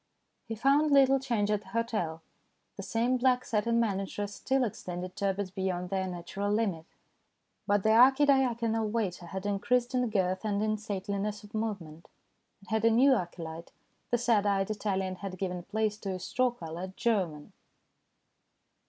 He found little change at the hotel. The same black satin manageress still extended turbots beyond their natural limit ; but the archidiaconal waiter had increased in girth and in stateliness of movement, and had a new acolyte the sad eyed Italian had given place to a straw coloured German.